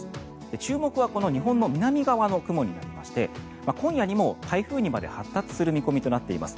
注目は日本の南側の雲になりまして今夜にも台風にまで発達する見込みとなっています。